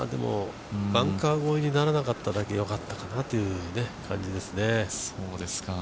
バンカー越えにならなかっただけ良かったかなという感じですね。